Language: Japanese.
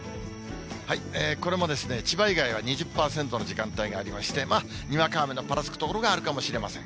これも千葉以外は２０％の時間帯がありまして、にわか雨のぱらつく所があるかもしれません。